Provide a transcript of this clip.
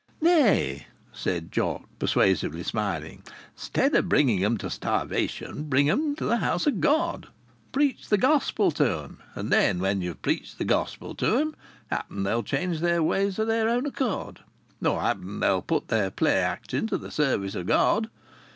"Nay!" said Jock, persuasively smiling. "'Stead o' bringing 'em to starvation, bring 'em to the House o' God! Preach the gospel to 'em, and then when ye've preached the gospel to 'em, happen they'll change their ways o' their own accord. Or happen they'll put their play acting to the service o' God.